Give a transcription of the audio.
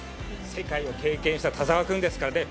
世界を経験した田澤君ですからね。